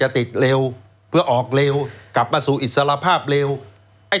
ติดปี๔๖